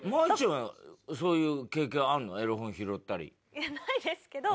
いやないですけど。